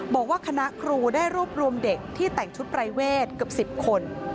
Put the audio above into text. บอกว่าคณะครูได้รวบรวมเด็กที่แต่งชุดปรายเวทเกือบ๑๐คน